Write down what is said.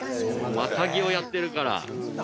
マタギをやってるから。